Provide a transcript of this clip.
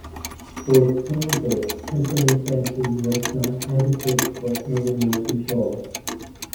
For example, temporary fencing was not adequate for animal control.